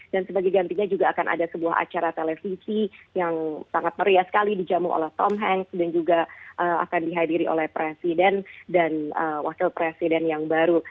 dan sebagai gantinya juga akan ada sebuah acara televisi yang sangat meriah sekali dijamu oleh tom hanks dan juga akan dihadiri oleh presiden dan wakil presiden yang baru